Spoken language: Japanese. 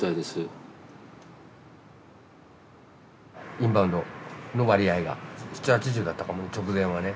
インバウンドの割合が７０８０だったかも直前はね。